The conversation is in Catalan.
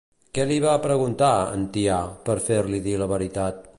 Què li va preguntar, en Tià, per fer-li dir la veritat?